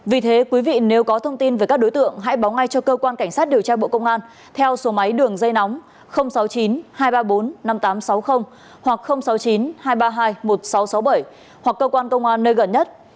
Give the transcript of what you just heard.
vì thế quý vị nếu có thông tin về các đối tượng hãy báo ngay cho cơ quan cảnh sát điều tra bộ công an theo số máy đường dây nóng sáu mươi chín hai trăm ba mươi bốn năm nghìn tám trăm sáu mươi hoặc sáu mươi chín hai trăm ba mươi hai một nghìn sáu trăm sáu mươi bảy hoặc cơ quan công an nơi gần nhất